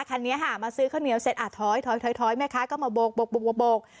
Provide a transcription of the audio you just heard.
คันนี้ค่ะมาซื้อข้าวเหนียวเสร็จอ่ะถอยแม่ค้าก็มาโบก